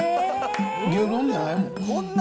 牛丼じゃないもん。